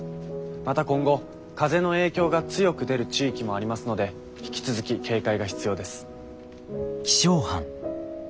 また今後風の影響が強く出る地域もありますので引き続き警戒が必要です。